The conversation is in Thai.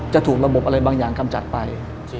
ถูกระบบอะไรบางอย่างกำจัดไป